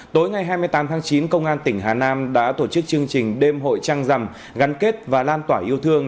tối ngày hai mươi tám tháng chín công an tỉnh hà nam đã tổ chức chương trình đêm hội trăng rằm gắn kết và lan tỏa yêu thương